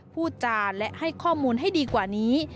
พูดจาและให้ข้อมูลให้ดีกว่านี้